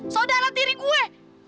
saudara tiri gue